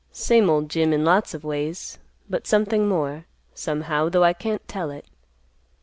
Same old Jim in lots of ways, but something more, somehow, though I can't tell it.